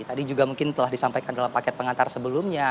tadi juga mungkin telah disampaikan dalam paket pengantar sebelumnya